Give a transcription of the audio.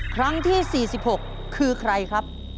ครั้งที่๔๖คือใครครับ